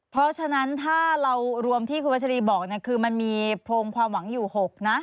เพราะฉะนั้นถ้าเรารวมที่คุณวัชรีบอกคือมันมีโพรงความหวังอยู่๖นะ